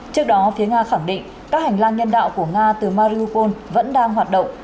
trước đó phía nga khẳng định các hành lang nhân đạo của nga từ marupol vẫn đang hoạt động